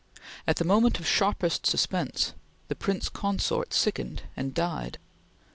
At the moment of sharpest suspense, the Prince Consort sickened and died.